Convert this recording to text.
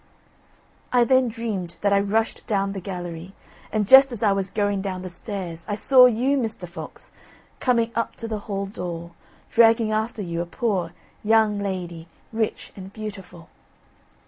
"I then dreamed that I rushed down the gallery, and just as I was going down the stairs, I saw you, Mr. Fox, coming up to the hall door, dragging after you a poor young lady, rich and beautiful."